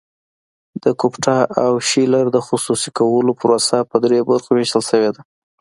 د ګوپټا او شیلر د خصوصي کولو پروسه په درې برخو ویشل شوې ده.